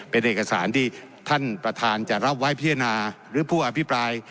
เป็นเอกสารที่ท่านประธานจะรับไว้พิจารณาหรือผู้อภิปราย